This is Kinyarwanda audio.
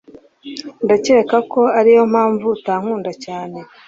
Ndakeka ko ariyo mpamvu utankunda cyane.